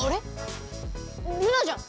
ルナじゃん！